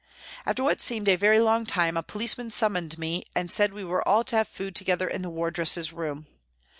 After what seemed a very long time, a policeman summoned me, and said we were all to have food together in the wardresses' room.